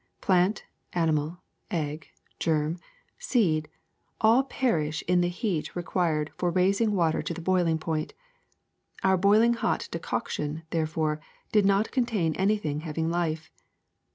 Plant, animal, eggy germ, seed, all perish in the heat re quired for raising water to the boiling point. Our boiling hot decoction, therefore, did not contain any thing having life.